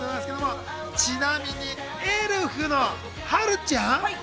ちなみにエルフのはるちゃん？